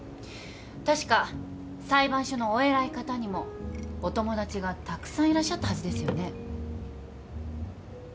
確か裁判所のお偉い方にもお友達がたくさんいらっしゃったはずですよね？